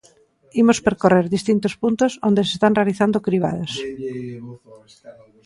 Imos percorrer distintos puntos onde se están realizando cribados.